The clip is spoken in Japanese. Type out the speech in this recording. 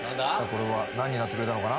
何になってくれたのかな